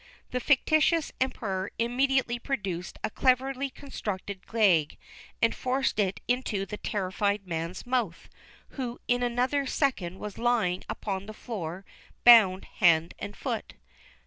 The fictitious Emperor immediately produced a cleverly constructed gag and forced it into the terrified man's mouth, who in another second was lying upon the floor bound hand and foot.